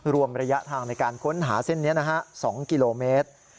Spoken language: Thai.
รวมระยะทางในการค้นหาเส้นนี้นะฮะ๒กิโลเมตร